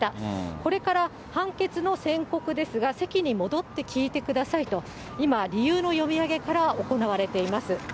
これから判決の宣告ですが、席に戻って聞いてくださいと、今、理由の読み上げから行われています。